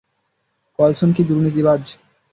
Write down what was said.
Colson কি দুর্নীতিবাজ?